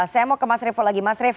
saya mau ke mas revo lagi